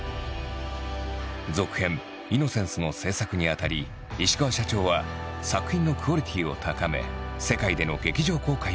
続編「イノセンス」の制作にあたり石川社長は作品のクオリティーを高め世界での劇場公開を目指すことを決めた。